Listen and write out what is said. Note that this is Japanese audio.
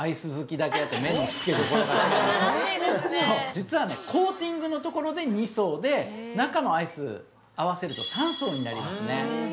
実はコーティングのところで２層で中のアイス合わせると３層になりますね。